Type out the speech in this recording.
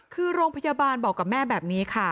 คือโรงพยาบาลบอกกับแม่แบบนี้ค่ะ